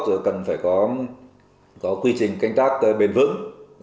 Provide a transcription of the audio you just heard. rồi cần phải có quy trình canh tác bền vững